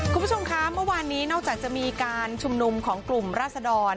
คุณผู้ชมคะเมื่อวานนี้นอกจากจะมีการชุมนุมของกลุ่มราศดร